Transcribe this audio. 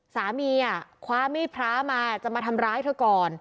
สามีคว้ามีดพระมาจะมาทำร้ายเธอก่อน